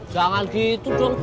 jangan gitu john